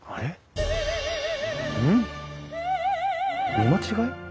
見間違え？